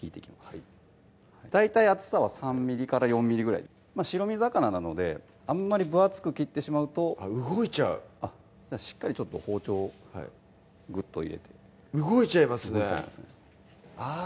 はい大体厚さは３ｍｍから４ｍｍぐらい白身魚なのであんまり分厚く切ってしまうと動いちゃうしっかり包丁をぐっと入れて動いちゃいますね動いちゃいますねあぁ